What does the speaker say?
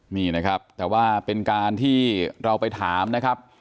นี่นะครับแต่ว่าเป็นการที่เราไปถามนะครับ